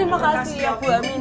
terima kasih ya bu amin